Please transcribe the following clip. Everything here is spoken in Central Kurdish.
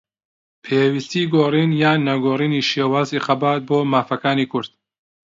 پێویستیی گۆڕین یان نەگۆڕینی شێوازی خەبات بۆ مافەکانی کورد